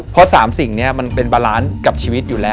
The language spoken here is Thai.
เพราะ๓สิ่งนี้มันเป็นบาลานซ์กับชีวิตอยู่แล้ว